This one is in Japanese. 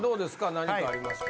何かありますか？